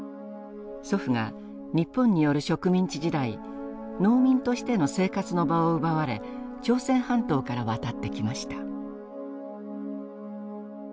祖父が日本による植民地時代農民としての生活の場を奪われ朝鮮半島から渡ってきました。